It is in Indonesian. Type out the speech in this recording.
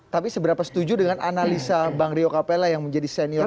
tapi seberapa setuju dengan analisa bang rio capella yang menjadi senior